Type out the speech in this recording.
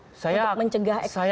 untuk mencegah eskalasinya